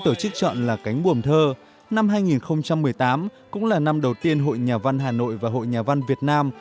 gọi là cánh buồm thơ năm hai nghìn một mươi tám cũng là năm đầu tiên hội nhà văn hà nội và hội nhà văn việt nam